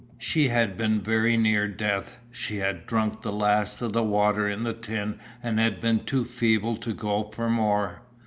She had been very near death. She had drunk the last of the water in the tin and had been too feeble to go for more.